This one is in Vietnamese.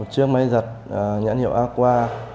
một chiếc máy giặt nhãn hiệu aqua